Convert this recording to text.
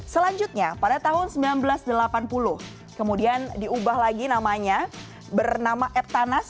selanjutnya pada tahun seribu sembilan ratus delapan puluh kemudian diubah lagi namanya bernama eptanas